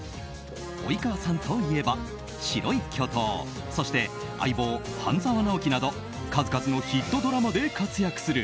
及川さんといえば「白い巨塔」そして「相棒」「半沢直樹」など数々のヒットドラマで活躍する